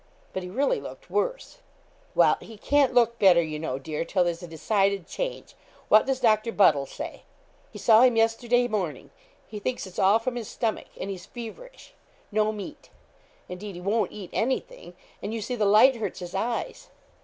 But he really looked worse. 'Well, he can't look better, you know, dear, till there's a decided change. What does Doctor Buddle say?' 'He saw him yesterday morning. He thinks it's all from his stomach, and he's feverish; no meat. Indeed he won't eat anything, and you see the light hurts his eyes.